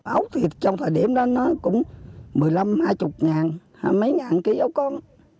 ốc thì trong thời điểm đó nó cũng một mươi năm hai mươi ngàn mấy ngàn ký ốc con